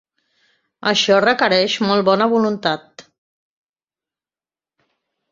Això requereix molt bona voluntat.